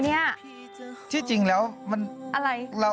เพราะว่าใจแอบในเจ้า